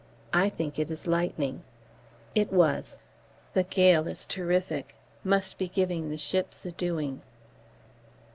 I think it is lightning. It was. The gale is terrific: must be giving the ships a doing.